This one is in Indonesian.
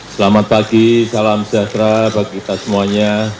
selamat pagi salam sejahtera bagi kita semuanya